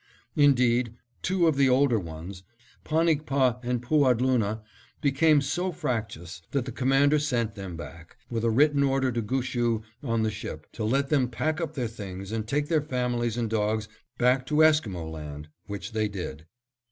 Indeed, two of the older ones, Panikpah and Pooadloonah, became so fractious that the Commander sent them back, with a written order to Gushue on the ship, to let them pack up their things and take their families and dogs back to Esquimo land, which they did.